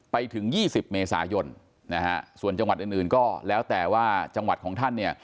ไปถึง๒๐เมษายนนะฮะส่วนจังหวัดอื่นก็แล้วแต่ว่าจังหวัดของท่านเนี่ย